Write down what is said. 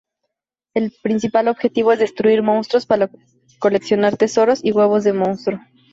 El principal objetivo es destruir monstruos para coleccionar tesoros y huevos de monstruo.